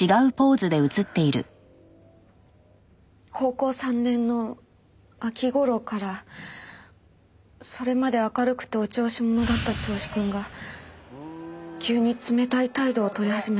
高校３年の秋頃からそれまで明るくてお調子者だった銚子くんが急に冷たい態度を取り始めたんです。